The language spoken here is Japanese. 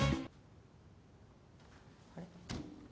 あれ？